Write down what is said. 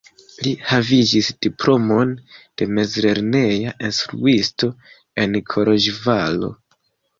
Li havigis diplomon de mezlerneja instruisto en Koloĵvaro.